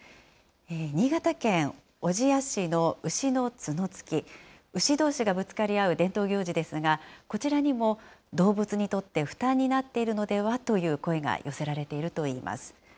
新潟県小千谷市の牛の角突き、牛どうしがぶつかり合う伝統行事ですが、こちらにも動物にとって負担になっているのではという声が寄せられているといいます。